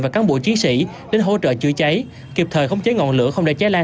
và cán bộ chiến sĩ đến hỗ trợ chữa cháy kịp thời khống chế ngọn lửa không để cháy lan